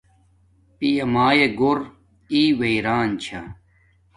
پیامایا نا ہݵ گھُور ای ویران چھا